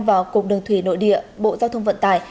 vào cục đường thủy nội địa bộ giao thông vận tải